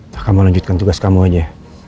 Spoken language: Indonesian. maka melanjutkan tugas kamu aja